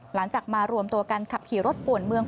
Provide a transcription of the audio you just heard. หลังจากมารวมตัวกันขับขี่รถป่วนเมือง